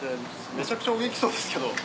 めちゃくちゃお元気そうですけど。